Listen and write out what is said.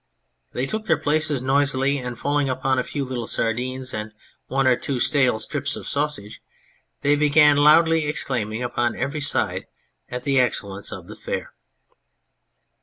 They took their places noisily, and falling upon a few little sardines and one or two stale strips of sausage they began loudly exclaiming upon every side at the excellence of the fare.